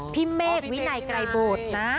พี่เมฆวินัยไกรบุตรนะ